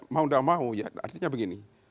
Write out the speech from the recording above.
mau da mau artinya begini